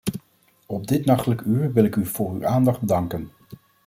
Op dit nachtelijke uur wil ik u voor uw aandacht danken.